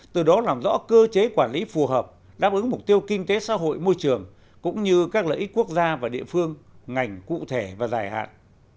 từ đó làm rõ cơ chế quản lý phù hợp đáp ứng mục tiêu kinh tế xã hội môi trường cũng như các lợi ích quốc gia và địa phương ngành cụ thể và dài hạn